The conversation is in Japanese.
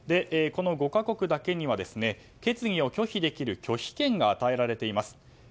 この５か国だけには決議を拒否できる拒否権が与えられています。